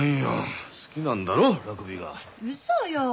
うそよ！